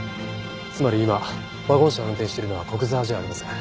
つまり今ワゴン車を運転しているのは古久沢じゃありません。